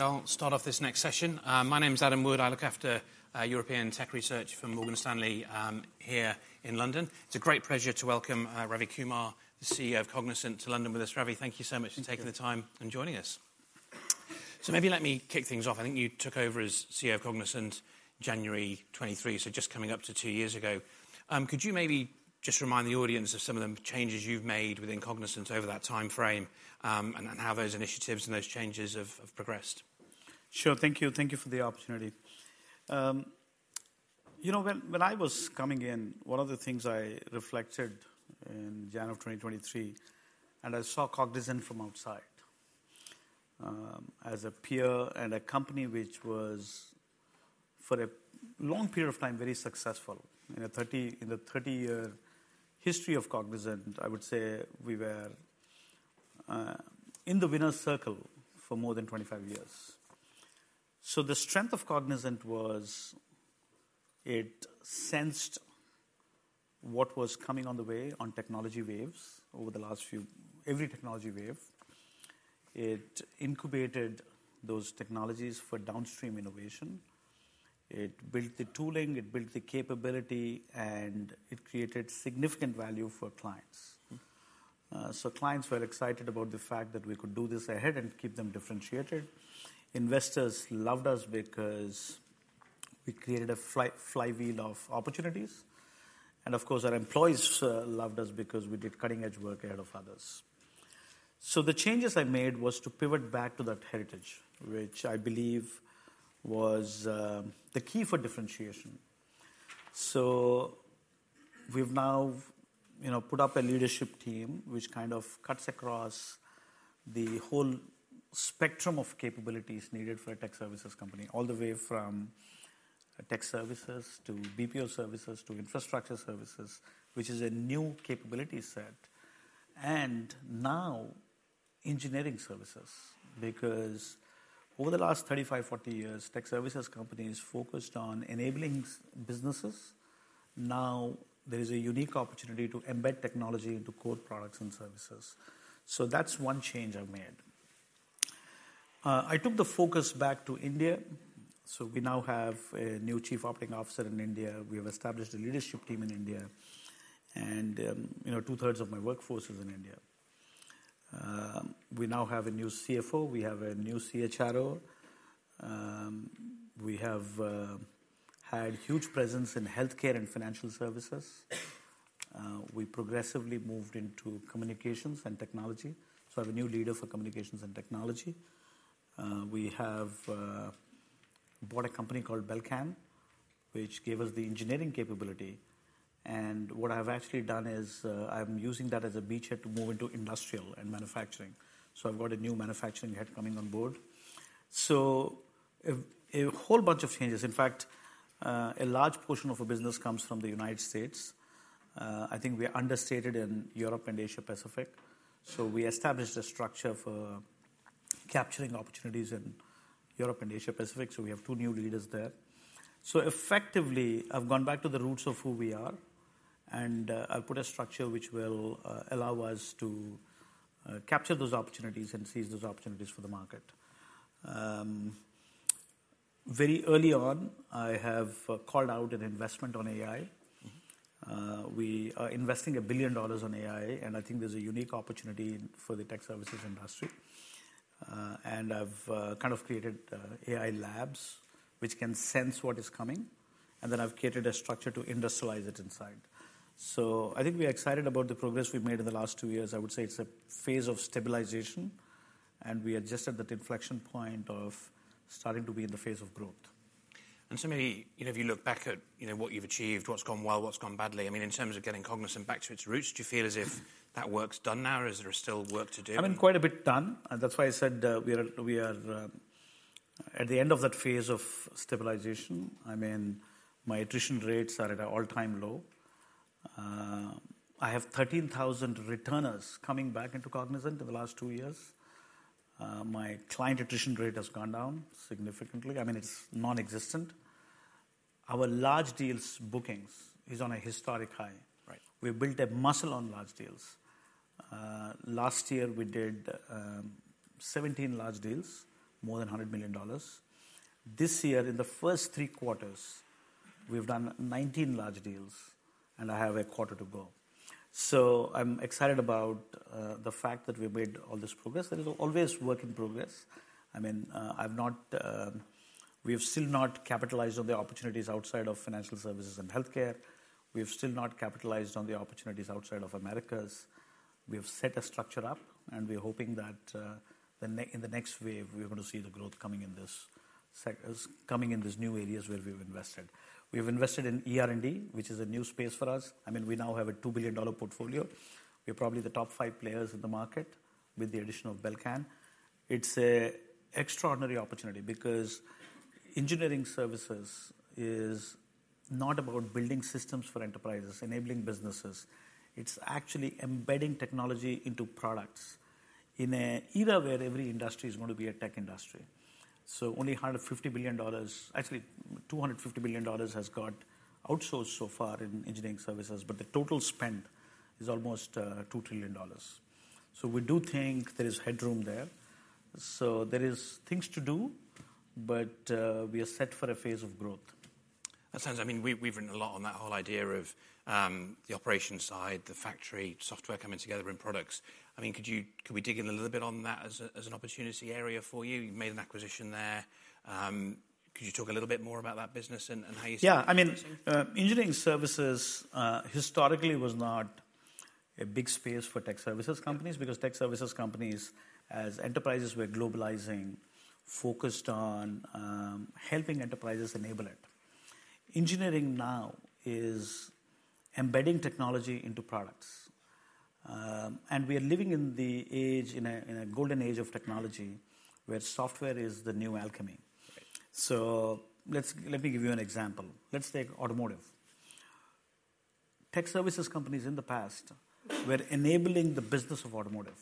I'll start off this next session. My name is Adam Wood. I look after European tech research for Morgan Stanley here in London. It's a great pleasure to welcome Ravi Kumar, the CEO of Cognizant, to London with us. Ravi, thank you so much for taking the time and joining us. Let me kick things off. I think you took over as CEO of Cognizant in January 2023, so just coming up to two years ago. Could you maybe just remind the audience of some of the changes you've made within Cognizant over that time frame and how those initiatives and those changes have progressed? Thank you for the opportunity. When I was coming in, one of the things I reflected in January 2023, and I saw Cognizant from outside as a peer and a company which was for a long period of time very successful. In the 30-year history of Cognizant, I would say we were in the winner's circle for more than 25 years. The strength of Cognizant was it sensed what was coming on the way on technology waves over the last few, every technology wave. It incubated those technologies for downstream innovation. It built the tooling. It built the capability, and it created significant value for clients. Clients were excited about the fact that we could do this ahead and keep them differentiated. Investors loved us because we created a flywheel of opportunities. Of course, our employees loved us because we did cutting-edge work ahead of others. The changes I made were to pivot back to that heritage, which I believe was the key for differentiation. We've now put up a leadership team which kind of cuts across the whole spectrum of capabilities needed for a tech services company, all the way from tech services to BPO services to infrastructure services, which is a new capability set. Now engineering services, because over the last 35, 40 years, tech services companies focused on enabling businesses. Now there is a unique opportunity to embed technology into core products and services. That's one change I've made. I took the focus back to India. We now have a new Chief Operating Officer in India. We have established a leadership team in India. Two-thirds of my workforce is in India. We now have a new CFO. We have a new CHRO. We have had a huge presence in healthcare and financial services. We progressively moved into communications and technology. I have a new leader for communications and technology. We have bought a company called Belcan, which gave us the engineering capability. What I've actually done is I'm using that as a beachhead to move into industrial and manufacturing. I've got a new manufacturing head coming on board. A whole bunch of changes. In fact, a large portion of our business comes from the United States. I think we are understated in Europe and Asia-Pacific. We established a structure for capturing opportunities in Europe and Asia-Pacific. We have two new leaders there. Effectively, I've gone back to the roots of who we are. I've put a structure which will allow us to capture those opportunities and seize those opportunities for the market. Very early on, I have called out an investment on AI. We are investing $1 billion in AI. I think there's a unique opportunity for the tech services industry. I've kind of created AI labs which can sense what is coming. Then I've created a structure to industrialize it inside. I think we are excited about the progress we've made in the last two years. I would say it's a phase of stabilization. We are just at that inflection point of starting to be in the phase of growth. If you look back at what you've achieved, what's gone well, what's gone badly, in terms of getting Cognizant back to its roots, do you feel as if that work's done now, or is there still work to do? Quite a bit done. That's why I said we are at the end of that phase of stabilization. my attrition rates are at an all-time low. I have 13,000 returners coming back into Cognizant in the last two years. My client attrition rate has gone down significantly. It's non-existent. Our large deals bookings are on a historic high. We've built a muscle on large deals. Last year, we did 17 large deals, more than $100 million. This year, in the first three quarters, we've done 19 large deals. I have a quarter to go. I'm excited about the fact that we've made all this progress. There is always work in progress. We have still not capitalized on the opportunities outside of financial services and healthcare. We have still not capitalized on the opportunities outside of Americas. We have set a structure up, and we're hoping that in the next wave, we're going to see the growth coming in these new areas where we've invested. We have invested in ER&D, which is a new space for us. We now have a $2 billion portfolio. We are probably the top five players in the market with the addition of Belcan. It's an extraordinary opportunity because engineering services is not about building systems for enterprises, enabling businesses. It's actually embedding technology into products in an era where every industry is going to be a tech industry, only $150 billion, actually $250 billion, has got outsourced so far in engineering services, but the total spend is almost $2 trillion, we do think there is headroom there, there are things to do, but we are set for a phase of growth. That sounds, We've written a lot on that whole idea of the operations side, the factory software coming together in products. Could we dig in a little bit on that as an opportunity area for you? You've made an acquisition there. Could you talk a little bit more about that business and how you see it? Engineering services historically was not a big space for tech services companies because tech services companies, as enterprises were globalizing, focused on helping enterprises enable it. Engineering now is embedding technology into products. We are living in the age, in a golden age of technology, where software is the new alchemy. Let me give you an example. Let's take automotive. Tech services companies in the past were enabling the business of automotive,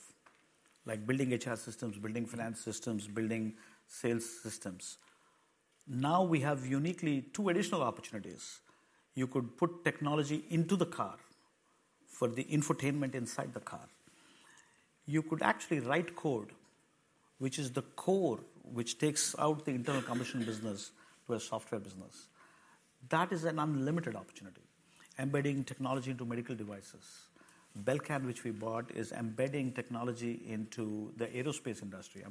like building HR systems, building finance systems, building sales systems. Now we have uniquely two additional opportunities. You could put technology into the car for the infotainment inside the car. You could actually write code, which is the core which takes out the internal commission business to a software business. That is an unlimited opportunity. Embedding technology into medical devices. Belcan, which we bought, is embedding technology into the aerospace industry.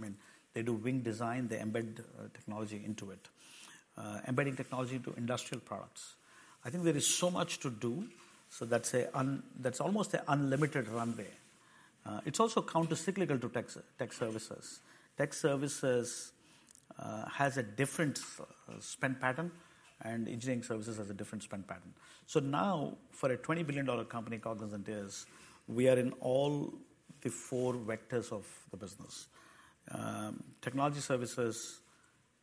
They do wing design. They embed technology into it. Embedding technology into industrial products. I think there is so much to do. That's almost an unlimited runway. It's also countercyclical to tech services. Tech services has a different spend pattern. Engineering services has a different spend pattern. Now, for a $20 billion company Cognizant is, we are in all the four vectors of the business: technology services,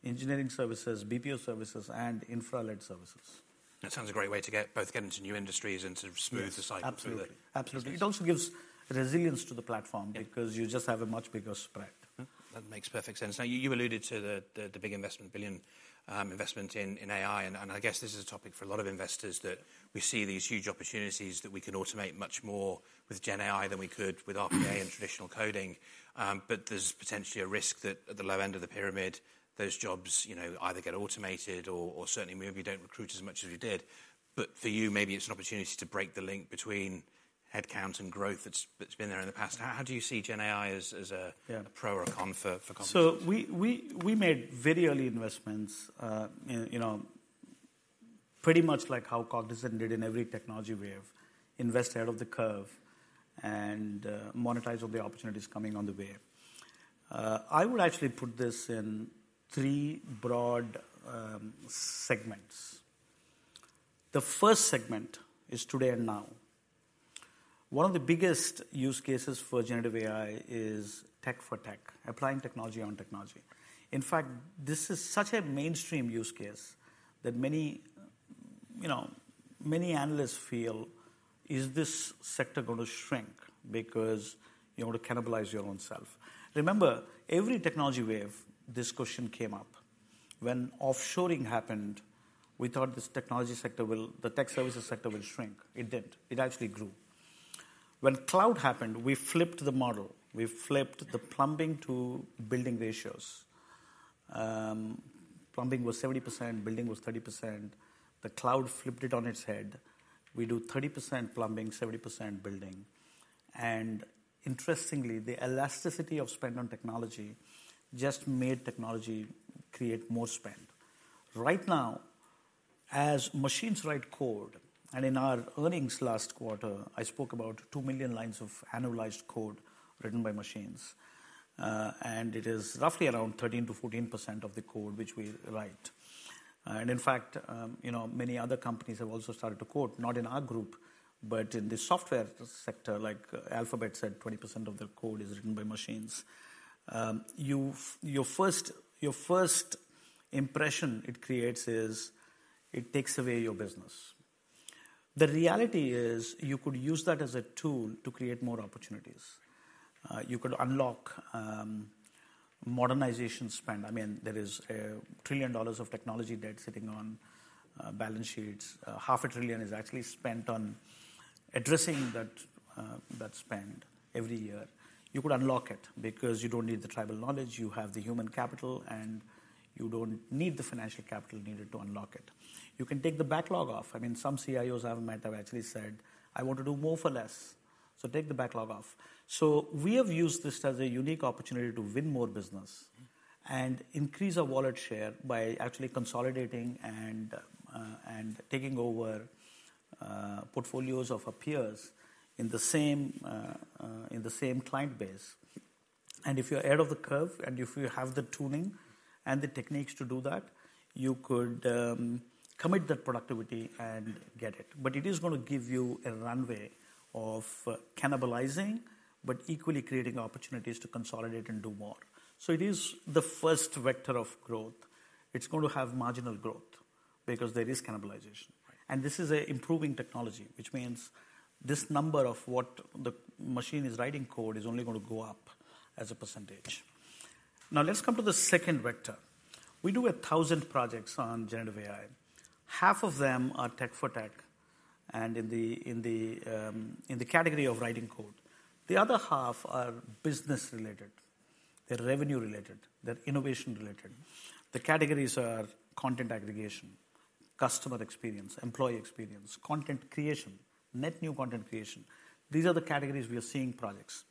engineering services, BPO services, and infrastructure services. That sounds a great way to both get into new industries and to smooth the cycle. Absolutely. It also gives resilience to the platform because you just have a much bigger spread. That makes perfect sense. Now, you alluded to the big investment, billion investment in AI, and I guess this is a topic for a lot of investors that we see these huge opportunities that we can automate much more with GenAI than we could with RPA and traditional coding, but there's potentially a risk that at the low end of the pyramid, those jobs either get automated or certainly maybe don't recruit as much as we did, but for you, maybe it's an opportunity to break the link between headcount and growth that's been there in the past. How do you see GenAI as a pro or a con for Cognizant? We made very early investments, pretty much like how Cognizant did in every technology wave, invest ahead of the curve and monetize on the opportunities coming on the wave. I would actually put this in three broad segments. The first segment is today and now. One of the biggest use cases for generative AI is tech for tech, applying technology on technology. In fact, this is such a mainstream use case that many analysts feel, is this sector going to shrink because you want to cannibalize your own self? Remember, every technology wave, this question came up. When offshoring happened, we thought this technology sector, the tech services sector, would shrink. It didn't. It actually grew. When cloud happened, we flipped the model. We flipped the plumbing to building ratios. Plumbing was 70%, building was 30%. The cloud flipped it on its head. We do 30% plumbing, 70% building. Interestingly, the elasticity of spend on technology just made technology create more spend. Right now, as machines write code, and in our earnings last quarter, I spoke about two million lines of annualized code written by machines. It is roughly around 13%-14% of the code which we write. In fact, many other companies have also started to quote, not in our group, but in the software sector, like Alphabet said, 20% of the code is written by machines. Your first impression it creates is it takes away your business. The reality is you could use that as a tool to create more opportunities. You could unlock modernization spend. There is $1 trillion of technology debt sitting on balance sheets. $500 billion is actually spent on addressing that spend every year. You could unlock it because you don't need the tribal knowledge. You have the human capital. You don't need the financial capital needed to unlock it. You can take the backlog off. Some CIOs I've met have actually said, "I want to do more for less." Take the backlog off. We have used this as a unique opportunity to win more business and increase our wallet share by actually consolidating and taking over portfolios of our peers in the same client base. If you're ahead of the curve and if you have the tooling and the techniques to do that, you could commit that productivity and get it. But it is going to give you a runway of cannibalizing, but equally creating opportunities to consolidate and do more. It is the first vector of growth. It's going to have marginal growth because there is cannibalization. This is an improving technology, which means this number of what the machine is writing code is only going to go up as a percentage. Now, let's come to the second vector. We do 1,000 projects on generative AI. Half of them are tech for tech and in the category of writing code. The other half are business-related. They're revenue-related. They're innovation-related. The categories are content aggregation, customer experience, employee experience, content creation, net new content creation. These are the categories we are seeing projects.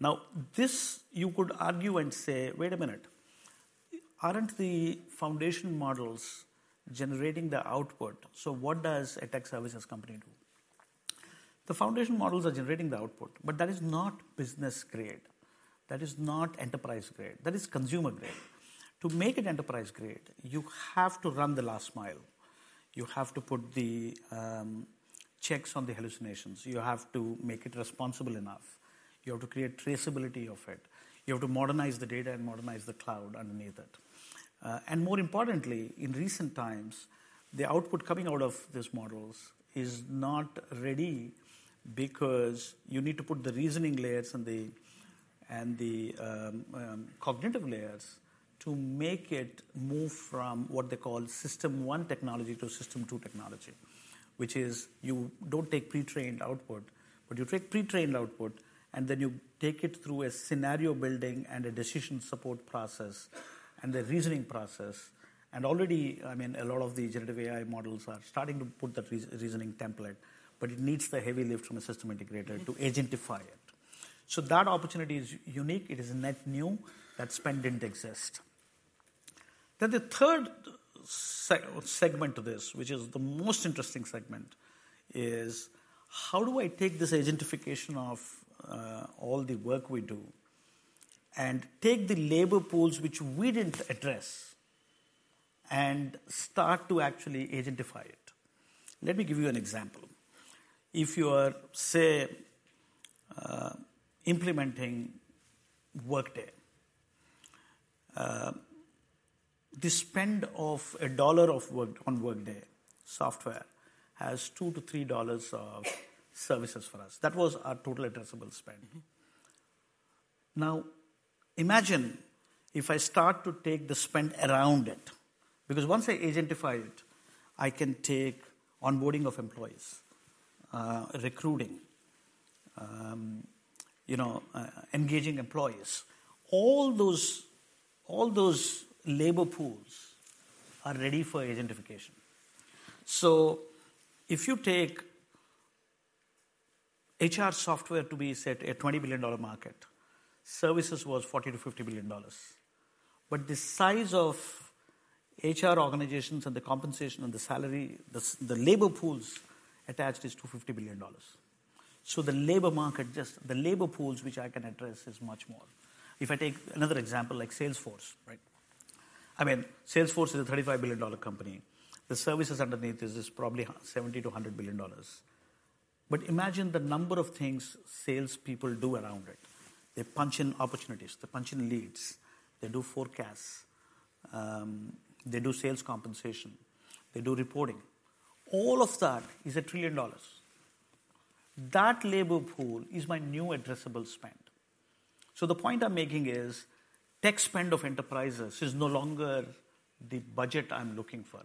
Now, this, you could argue and say, wait a minute. Aren't the foundation models generating the output? What does a tech services company do? The foundation models are generating the output. But that is not business grade. That is not enterprise grade. That is consumer grade. To make it enterprise grade, you have to run the last mile. You have to put the checks on the hallucinations. You have to make it responsible enough. You have to create traceability of it. You have to modernize the data and modernize the cloud underneath it, and more importantly, in recent times, the output coming out of these models is not ready because you need to put the reasoning layers and the cognitive layers to make it move from what they call System 1 technology to System 2 technology, which is you don't take pre-trained output, but you take pre-trained output, and then you take it through a scenario building and a decision support process and the reasoning process, and already, a lot of the generative AI models are starting to put that reasoning template, but it needs the heavy lift from a system integrator to agentify it, that opportunity is unique. It is net new. That spend didn't exist. Then the third segment of this, which is the most interesting segment, is how do I take this agentification of all the work we do and take the labor pools which we didn't address and start to actually agentify it? Let me give you an example. If you are, say, implementing Workday, the spend of $1 on Workday software has $2 to 3 of services for us. That was our total addressable spend. Now, imagine if I start to take the spend around it. Because once I agentify it, I can take onboarding of employees, recruiting, engaging employees. All those labor pools are ready for agentification. If you take HR software to be set at a $20 billion market, services was $40 to 50 billion. But the size of HR organizations and the compensation and the salary, the labor pools attached is $250 billion. The labor market, just the labor pools which I can address is much more. If I take another example, like Salesforce, right? Salesforce is a $35 billion company. The services underneath is probably $70 to 100 billion. But imagine the number of things salespeople do around it. They punch in opportunities. They punch in leads. They do forecasts. They do sales compensation. They do reporting. All of that is $1 trillion. That labor pool is my new addressable spend. The point I'm making is tech spend of enterprises is no longer the budget I'm looking for.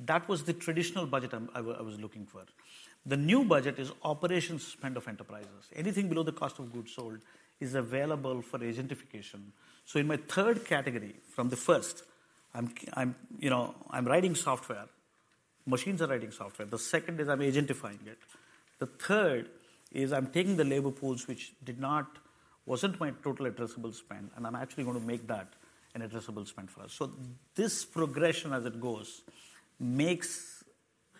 That was the traditional budget I was looking for. The new budget is operations spend of enterprises. Anything below the cost of goods sold is available for agentification. In my third category from the first, I'm writing software. Machines are writing software. The second is I'm agentifying it. The third is I'm taking the labor pools which wasn't my total addressable spend. I'm actually going to make that an addressable spend for us. This progression as it goes makes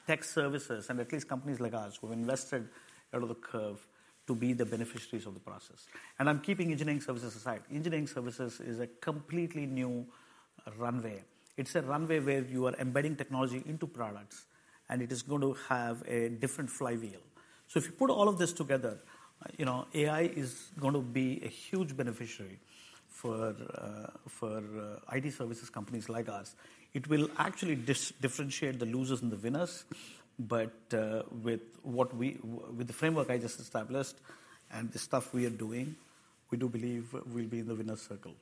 tech services and at least companies like ours who have invested ahead of the curve to be the beneficiaries of the process. I'm keeping engineering services aside. Engineering services is a completely new runway. It's a runway where you are embedding technology into products. It is going to have a different flywheel. If you put all of this together, AI is going to be a huge beneficiary for IT services companies like ours. It will actually differentiate the losers and the winners. But with the framework I just established and the stuff we are doing, we do believe we'll be in the winner's circle.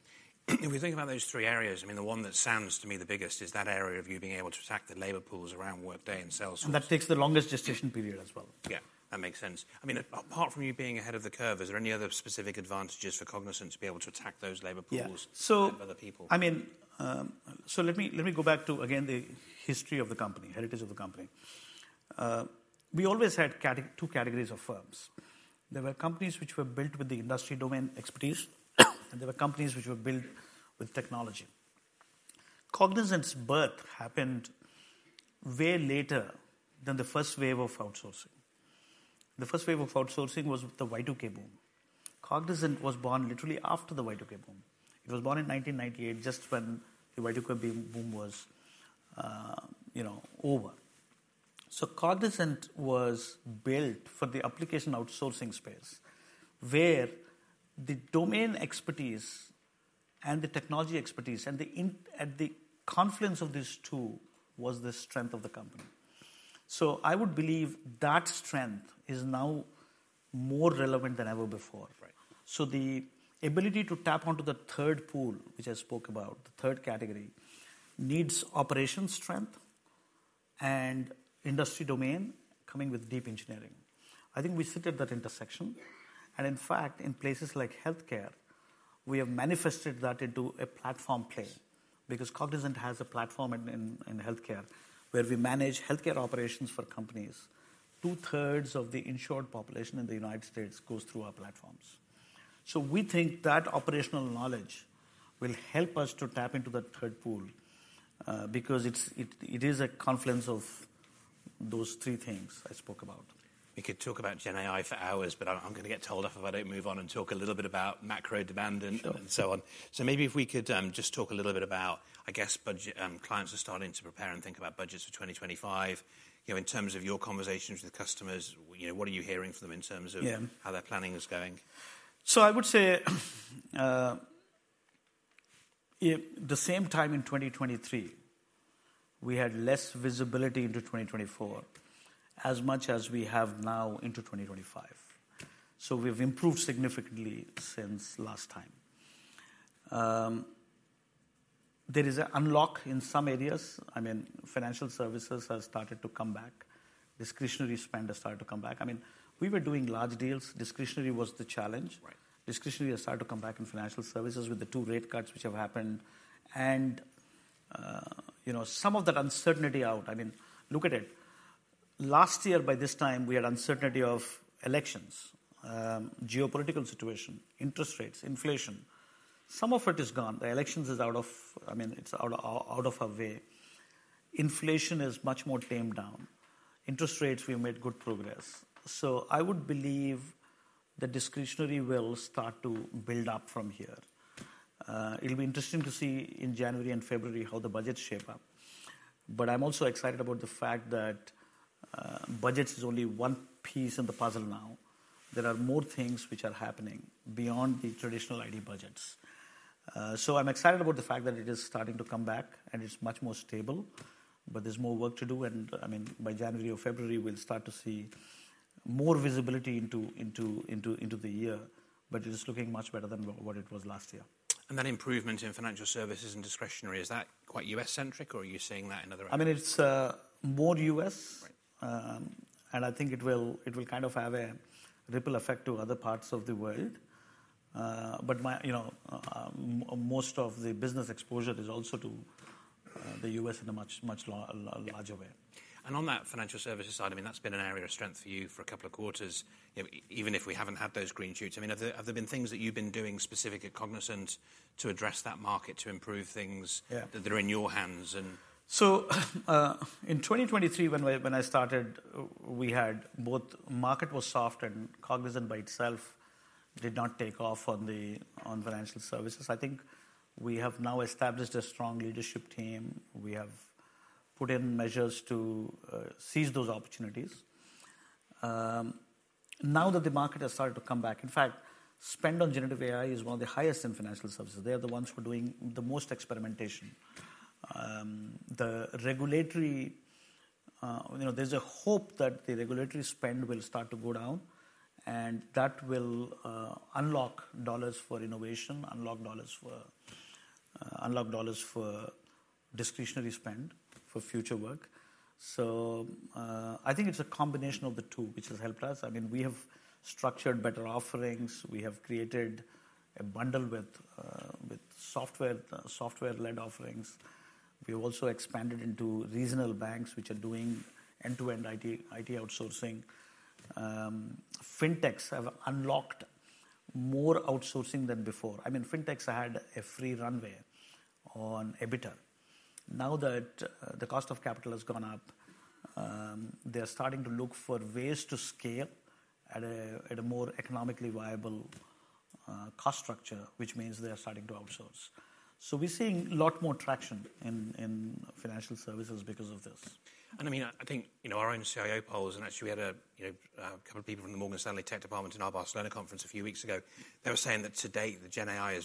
If we think about those three areas, the one that sounds to me the biggest is that area of you being able to attack the labor pools around Workday and Salesforce? That takes the longest gestation period as well. That makes sense. Apart from you being ahead of the curve, is there any other specific advantages for Cognizant to be able to attack those labor pools and other people? Let me go back to, again, the history of the company, heritage of the company. We always had two categories of firms. There were companies which were built with the industry domain expertise. There were companies which were built with technology. Cognizant's birth happened way later than the first wave of outsourcing. The first wave of outsourcing was the Y2K boom. Cognizant was born literally after the Y2K boom. It was born in 1998, just when the Y2K boom was over. Cognizant was built for the application outsourcing space, where the domain expertise and the technology expertise and the confluence of these two was the strength of the company. I would believe that strength is now more relevant than ever before. The ability to tap onto the third pool, which I spoke about, the third category, needs operations strength and industry domain coming with deep engineering. I think we sit at that intersection. In fact, in places like health care, we have manifested that into a platform play because Cognizant has a platform in health care where we manage health care operations for companies. Two-thirds of the insured population in the United States goes through our platforms. We think that operational knowledge will help us to tap into that third pool because it is a confluence of those three things I spoke about. We could talk about GenAI for hours. But I'm going to get told off if I don't move on and talk a little bit about macro demand and so on. If we could just talk a little bit about, I guess, clients are starting to prepare and think about budgets for 2025. In terms of your conversations with customers, what are you hearing from them in terms of how their planning is going? I would say at the same time in 2023, we had less visibility into 2024 as much as we have now into 2025. We have improved significantly since last time. There is an unlock in some areas. Financial services have started to come back. Discretionary spend has started to come back. We were doing large deals. Discretionary was the challenge. Discretionary has started to come back in financial services with the two rate cuts which have happened. Some of that uncertainty out, Look at it. Last year, by this time, we had uncertainty of elections, geopolitical situation, interest rates, inflation. Some of it is gone. The election is out of, It's out of our way. Inflation is much more tamed down. Interest rates, we've made good progress. I would believe the discretionary will start to build up from here. It'll be interesting to see in January and February how the budgets shape up. But I'm also excited about the fact that budgets is only one piece in the puzzle now. There are more things which are happening beyond the traditional IT budgets. I'm excited about the fact that it is starting to come back. It's much more stable. But there's more work to do. By January or February, we'll start to see more visibility into the year. But it is looking much better than what it was last year. That improvement in financial services and discretionary, is that quite U.S.-centric? Or are you seeing that in other areas? It's more U.S. I think it will kind of have a ripple effect to other parts of the world. But most of the business exposure is also to the U.S. in a much larger way. On that financial services side, that's been an area of strength for you for a couple of quarters, even if we haven't had those green shoots. I have there been things that you've been doing specifically at Cognizant to address that market, to improve things that are in your hands? In 2023, when I started, we had both market was soft. Cognizant by itself did not take off on financial services. I think we have now established a strong leadership team. We have put in measures to seize those opportunities. Now that the market has started to come back, in fact, spend on generative AI is one of the highest in financial services. They are the ones who are doing the most experimentation. The regulatory, there's a hope that the regulatory spend will start to go down. That will unlock dollars for innovation, unlock dollars for discretionary spend for future work. I think it's a combination of the two, which has helped us. We have structured better offerings. We have created a bundle with software-led offerings. We have also expanded into regional banks, which are doing end-to-end IT outsourcing. Fintechs have unlocked more outsourcing than before. Fintechs had a free runway on EBITDA. Now that the cost of capital has gone up, they are starting to look for ways to scale at a more economically viable cost structure, which means they are starting to outsource. We're seeing a lot more traction in financial services because of this. Our own CIO polls, actually, we had a couple of people from the Morgan Stanley tech department in our Barcelona conference a few weeks ago. They were saying that to date, the GenAI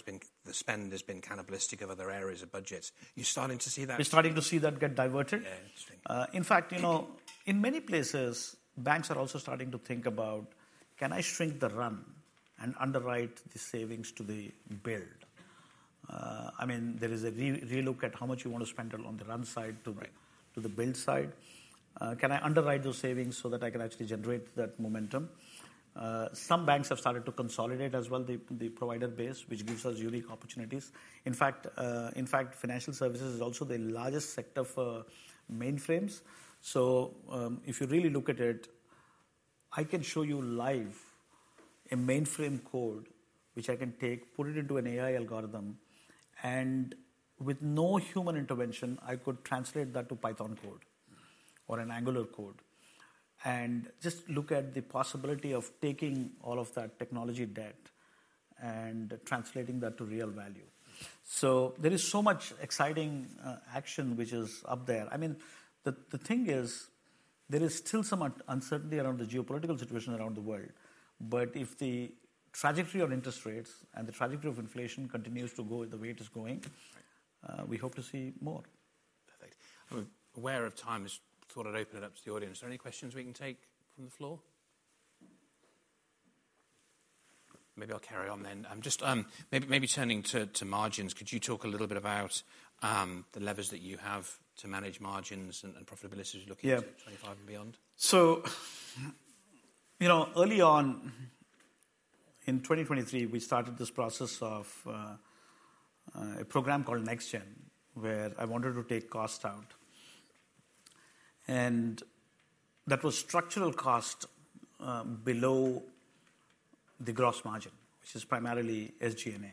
spend has been cannibalistic of other areas of budgets. Are you starting to see that? We're starting to see that get diverted. Interesting. In fact, in many places, banks are also starting to think about, can I shrink the run and underwrite the savings to the build? There is a re-look at how much you want to spend on the run side to the build side. Can I underwrite those savings so I can actually generate that momentum? Some banks have started to consolidate as well, the provider base, which gives us unique opportunities. In fact, financial services is also the largest sector for mainframes. If you really look at it, I can show you live a mainframe code, which I can take, put it into an AI algorithm. With no human intervention, I could translate that to Python code or an Angular code. Look at the possibility of taking all of that technology debt and translating that to real value. There is so much exciting action which is up there. The thing is, there is still some uncertainty around the geopolitical situation around the world. But if the trajectory of interest rates and the trajectory of inflation continues to go the way it is going, we hope to see more. Perfect. I'm aware the time is sort of opening it up to the audience. Are there any questions we can take from the floor? Maybe I'll carry on then. Just maybe turning to margins, could you talk a little bit about the levers that you have to manage margins and profitability as you look into 2025 and beyond? Early on in 2023, we started this process of a program called NextGen, where I wanted to take cost out. That was structural cost below the gross margin, which is primarily SG&A.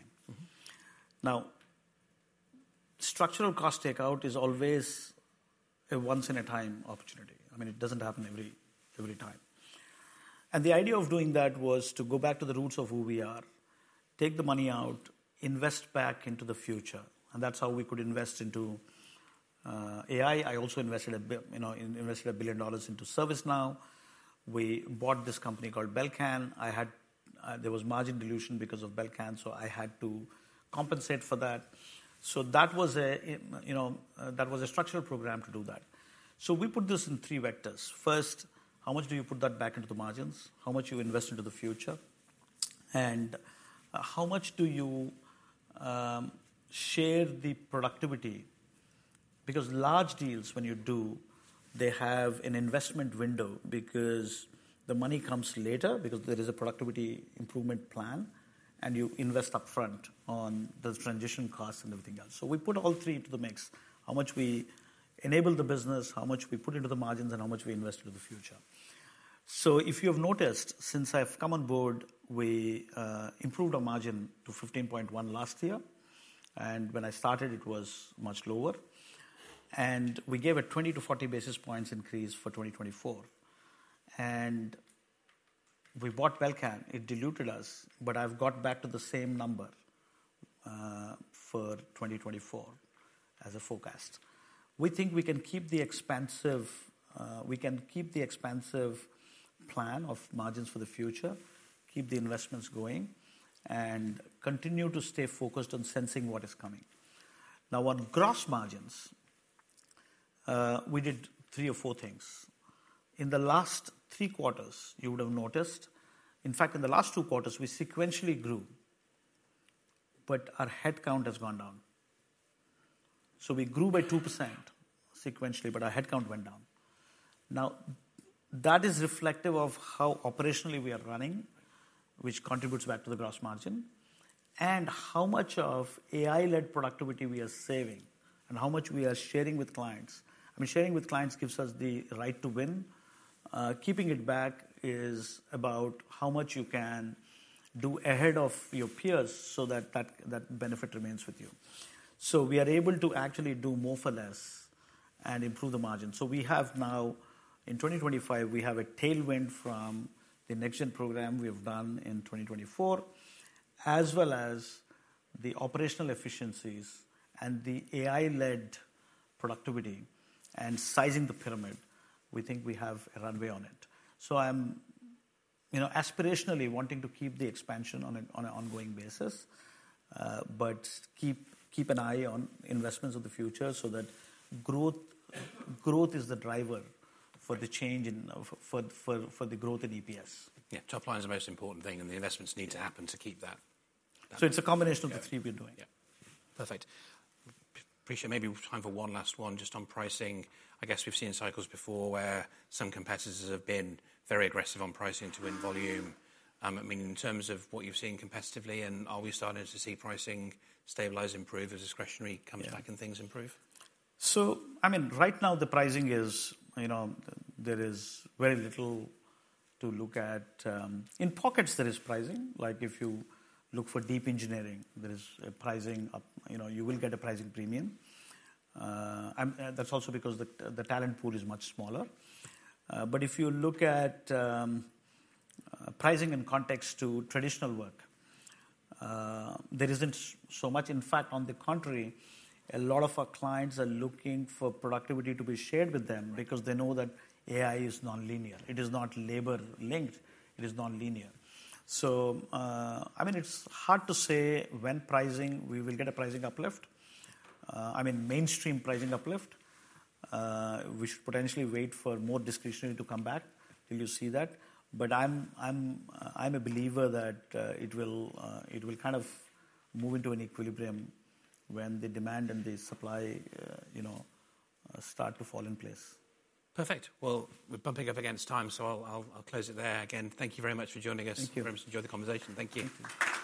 Now, structural cost takeout is always a once-in-a-lifetime opportunity. It doesn't happen every time. The idea of doing that was to go back to the roots of who we are, take the money out, invest back into the future. That's how we could invest into AI. I also invested $1 billion into ServiceNow. We bought this company called Belcan. There was margin dilution because of Belcan. I had to compensate for that. That was a structural program to do that. We put this in three vectors. First, how much do you put that back into the margins? How much do you invest into the future? How much do you share the productivity? Because large deals, when you do, they have an investment window because the money comes later because there is a productivity improvement plan. You invest upfront on the transition costs and everything else. We put all three into the mix: how much we enable the business, how much we put into the margins, and how much we invest into the future. If you have noticed, since I've come on board, we improved our margin to 15.1% last year. When I started, it was much lower. We gave a 20 to 40 basis points increase for 2024. We bought Belcan. It diluted us. But I've got back to the same number for 2024 as a forecast. We think we can keep the expansive plan of margins for the future, keep the investments going, and continue to stay focused on sensing what is coming. Now, on gross margins, we did three or four things. In the last three quarters, you would have noticed, in fact, in the last two quarters, we sequentially grew. But our headcount has gone down. We grew by 2% sequentially. But our headcount went down. Now, that is reflective of how operationally we are running, which contributes back to the gross margin, and how much of AI-led productivity we are saving and how much we are sharing with clients. Sharing with clients gives us the right to win. Keeping it back is about how much you can do ahead of your peers that benefit remains with you. We are able to actually do more for less and improve the margin. We have now, in 2025, we have a tailwind from the NextGen program we have done in 2024, as well as the operational efficiencies and the AI-led productivity and sizing the pyramid. We think we have a runway on it. I'm aspirationally wanting to keep the expansion on an ongoing basis but keep an eye on investments of the future, growth is the driver for the change and for the growth in EPS. Top line is the most important thing. The investments need to happen to keep that? It's a combination of the three we're doing. Perfect. Appreciate it. Maybe time for one last one, just on pricing. I guess we've seen cycles before where some competitors have been very aggressive on pricing to win volume. In terms of what you've seen competitively, and are we starting to see pricing stabilize, improve as discretionary comes back and things improve? Right now, the pricing is. There is very little to look at. In pockets, there is pricing. Like if you look for deep engineering, there is a pricing. You will get a pricing premium. That's also because the talent pool is much smaller. But if you look at pricing in context to traditional work, there isn't so much. In fact, on the contrary, a lot of our clients are looking for productivity to be shared with them because they know that AI is nonlinear. It is not labor-linked. It is nonlinear. It's hard to say when pricing we will get a pricing uplift. Mainstream pricing uplift. We should potentially wait for more discretionary to come back till you see that. But I'm a believer that it will kind of move into an equilibrium when the demand and the supply start to fall in place. Perfect. Well, we're bumping up against time. I'll close it there again. Thank you very much for joining us. Thank you. Very much enjoyed the conversation. Thank you.